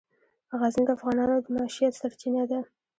غزني د افغانانو د معیشت سرچینه ده.